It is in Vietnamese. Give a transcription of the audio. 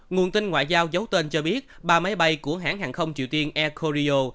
nguồn tin ngoại giao giấu tên cho biết ba máy bay của hãng hàng không triều tiên air kore